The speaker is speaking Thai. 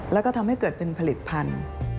แล้วก็ทำให้เกิดเป็นผลิตภัณฑ์